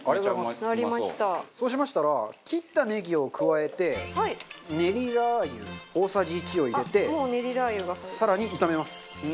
中丸：そうしましたら切ったねぎを加えてねりラー油、大さじ１を入れて更に炒めます。